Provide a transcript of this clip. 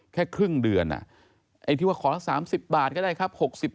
แค่ครึ่งเดือนไอ้ที่ว่าขอละ๓๐บาทก็ได้ครับ